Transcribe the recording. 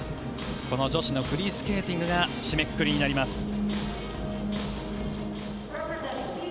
この女子のフリースケーティングが締めくくりになります。